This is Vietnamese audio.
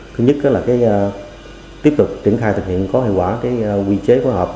thứ nhất là tiếp tục triển khai thực hiện có hiệu quả quy chế phối hợp